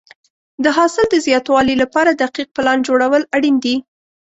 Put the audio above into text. د حاصل د زیاتوالي لپاره دقیق پلان جوړول اړین دي.